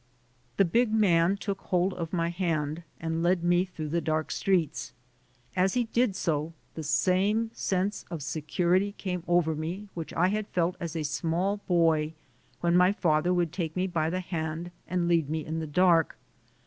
The big man took hold of my hand and led me through the dark streets. As he did so, the same sense of security came over me which I had felt as a small boy when my father would take me by the hand and lead me in the dark.